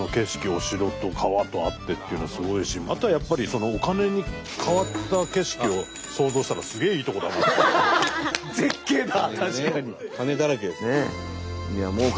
お城と川とあってっていうのはすごいしあとはやっぱりお金に変わった景色を想像したら金だらけです。